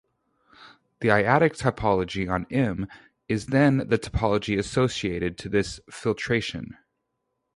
The "I-adic topology" on "M" is then the topology associated to this filtration.